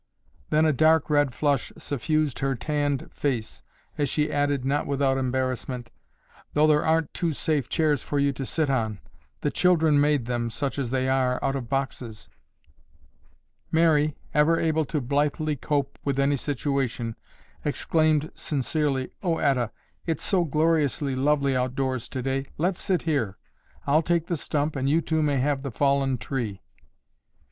Then a dark red flush suffused her tanned face as she added, not without embarrassment, "Though there aren't two safe chairs for you to sit on. The children made them, such as they are, out of boxes." Mary, ever able to blithely cope with any situation, exclaimed sincerely, "Oh, Etta, it's so gloriously lovely outdoors today, let's sit here. I'll take the stump and you two may have the fallen tree."